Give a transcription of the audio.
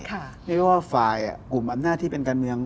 เรียกว่าฝ่ายกลุ่มอำนาจที่เป็นการเมือง